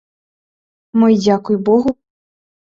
Мо й дзякуй богу?